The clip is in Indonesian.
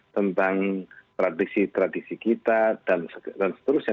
tentang tradisi tradisi kita dan seterusnya